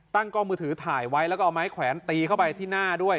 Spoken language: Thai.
กล้องมือถือถ่ายไว้แล้วก็เอาไม้แขวนตีเข้าไปที่หน้าด้วย